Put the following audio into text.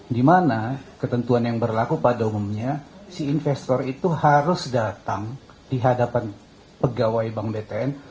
dimana ketentuan yang berlaku pada umumnya si investor itu harus datang di hadapan pegawai bank btn